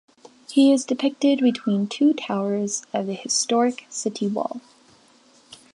He is depicted between two towers of the historic city wall.